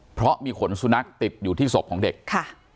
เพราะมีขนสุนัขติดอยู่ที่ศพของเด็กค่ะ